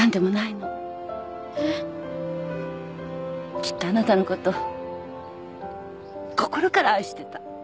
きっとあなたのこと心から愛してた。